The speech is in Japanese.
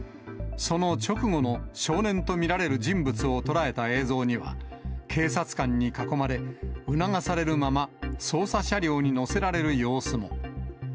その直後の少年と見られる人物を捉えた映像には、警察官に囲まれ、促されるまま、捜査車両に乗せられる様子も。